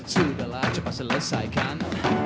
sudahlah coba selesaikan